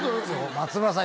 松村さん